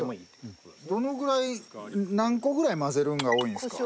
どのぐらい何個ぐらい混ぜるのが多いんですか？